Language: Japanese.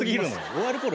終わるころ